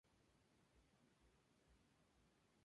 En el mismo año el banco tomó el nombre, Banca Popolare Veneta.